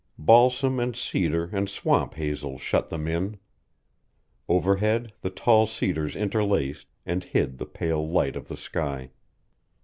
Balsam and cedar and swamp hazel shut them in. Overhead the tall cedars interlaced, and hid the pale light of the sky.